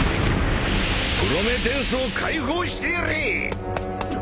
プロメテウスを解放してやれ！